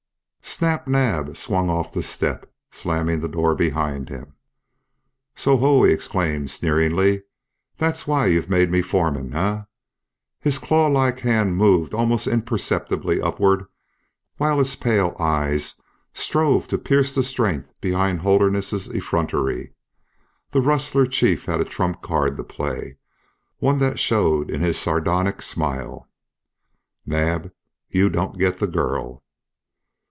Snap Naab swung off the step, slamming the door behind him. "So ho!" he exclaimed, sneeringly. "That's why you've made me foreman, eh?" His claw like hand moved almost imperceptibly upward while his pale eyes strove to pierce the strength behind Holderness's effrontery. The rustler chief had a trump card to play; one that showed in his sardonic smile. "Naab, you don't get the girl."